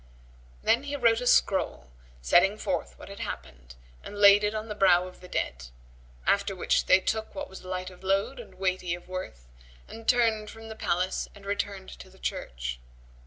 [FN#126] Then he wrote a scroll, setting forth what had happened and laid it on the brow of the dead, after which they took what was light of load and weighty of worth and turned from the palace and returned to the church.